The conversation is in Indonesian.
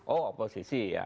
oh oposisi ya